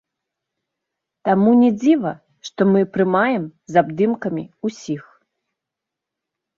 Таму не дзіва, што мы прымаем з абдымкамі ўсіх.